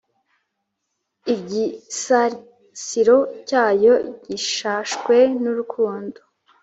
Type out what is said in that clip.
Igisasiro cyacyo gishashwe n’urukundo